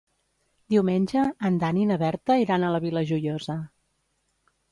Diumenge en Dan i na Berta iran a la Vila Joiosa.